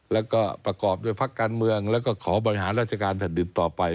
แล้วก็ประกอบด้วยพักการเมืองแล้วก็ขอบริหารราชการแผ่นดินต่อไป